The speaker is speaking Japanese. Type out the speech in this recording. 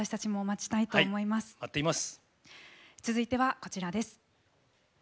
続いてはこちらです。